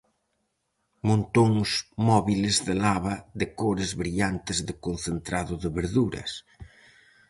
Montóns móbiles de lava de cores brillantes de concentrado de verduras.